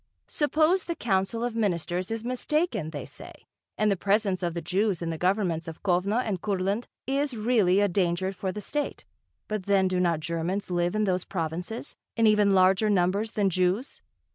Suppose the Council of Ministers is mistaken, they say, and the presence of the Jews in the governments of Kovno and Kurland is really a danger for the State, but then do not Germans live in those provinces, in even larger numbers than Jews?